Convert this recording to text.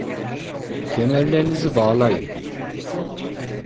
Kemerlerinizi bağlayın.